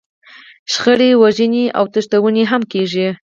شخړې، وژنې او تښتونه هم کېږي.